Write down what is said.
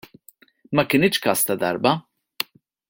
Ma kienx każ ta' darba.